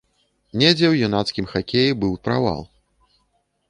Недзе ў юнацкім хакеі быў правал.